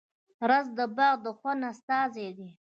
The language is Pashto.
رس د باغ د خوند استازی دی